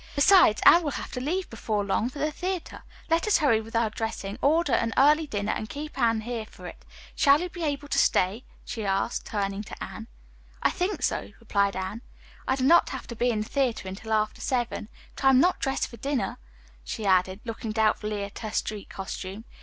Besides, Anne will have to leave before long for the theatre. Let us hurry with our dressing, order an early dinner and keep Anne here for it. Shall you be able to stay?" she asked, turning to Anne. "I think so," replied Anne. "I do not have to be in the theatre until after seven. But I am not dressed for dinner," she added, looking doubtfully at her street costume.